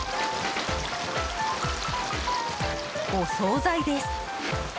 お総菜です。